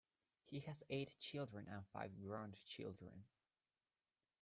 He has eight children and five grandchildren.